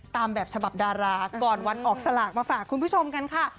ตามแบบฉบับดาราก่อนวันออกสลากมาฝากคุณผู้ชมกันค่ะ